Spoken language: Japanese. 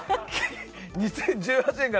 ２０１８年から。